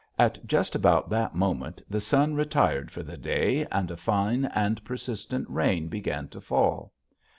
At just about that moment the sun retired for the day and a fine and persistent rain began to fall.